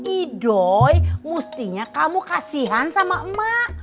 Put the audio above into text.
i doi mestinya kamu kasihan sama mak